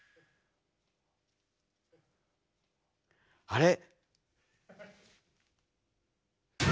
あれ？